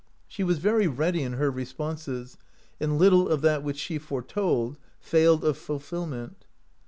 She was very ready in her res* ponses, and little of that which she foretold failed of fulfillment.